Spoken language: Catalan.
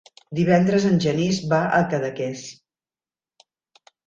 Divendres en Genís va a Cadaqués.